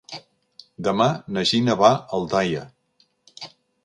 Demà na Gina va a Aldaia.